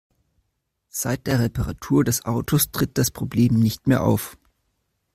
Seit der Reparatur des Autos tritt das Problem nicht mehr auf.